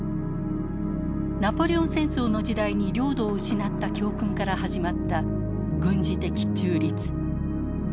ナポレオン戦争の時代に領土を失った教訓から始まった軍事的中立。